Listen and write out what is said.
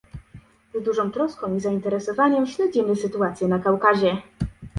Z dużą troską i zainteresowaniem śledzimy sytuację na Kaukazie